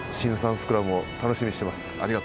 スクラムを楽しみにしてます。